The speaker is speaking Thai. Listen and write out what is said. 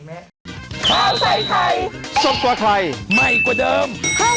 อืมเนอะใช่ไหม